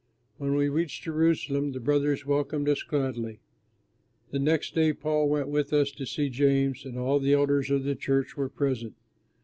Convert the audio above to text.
When we reached Jerusalem the brothers welcomed us gladly. The next day Paul went with us to see James, and all the elders of the church were present.